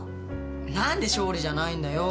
何で「勝利」じゃないんだよ？